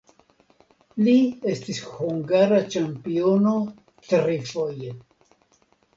Li estis hungara ĉampiono trifoje.